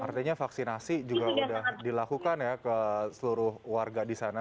artinya vaksinasi juga sudah dilakukan ya ke seluruh warga di sana